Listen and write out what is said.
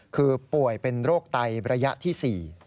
คือป่วยเป็นโรคไตระยะที่๔